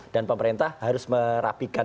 dan pemerintah harus merapikan